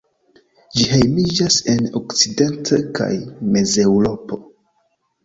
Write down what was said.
Ĝi hejmiĝas en okcident- kaj Mezeŭropo.